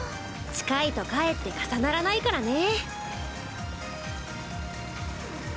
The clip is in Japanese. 近いとかえって重ならないからね。